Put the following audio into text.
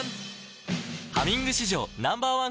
「ハミング」史上Ｎｏ．１抗菌